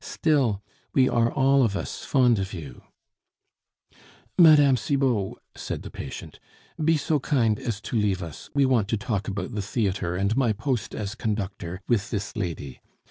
Still, we are all of us fond of you " "Mme. Cibot," said the patient, "be so kind as to leave us; we want to talk about the theatre and my post as conductor, with this lady.